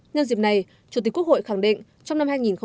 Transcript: nhân dịp này chủ tịch quốc hội khẳng định trong năm hai nghìn hai mươi